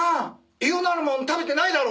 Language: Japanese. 「栄養のあるもん食べてないだろ。